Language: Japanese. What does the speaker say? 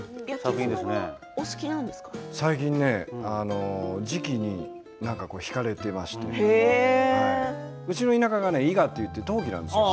最近、磁器にひかれていましてうちの田舎は、伊賀といって陶器なんですよ。